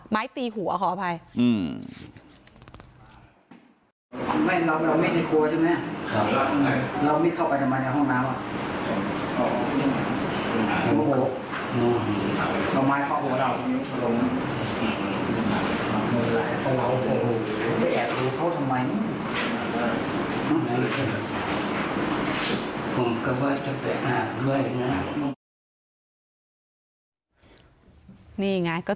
ไม้ตีหัวขออภัย